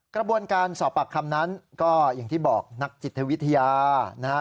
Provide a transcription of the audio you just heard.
กระบวนการสอบปากคำนั้นก็อย่างที่บอกนักจิตวิทยานะฮะ